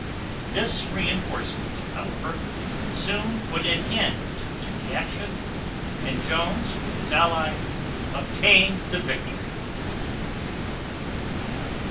This reinforcement, however, soon put an end to the action, and Jones with his ally obtained the victory.